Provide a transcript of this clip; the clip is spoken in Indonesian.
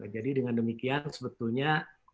jadi dengan demikian sebetulnya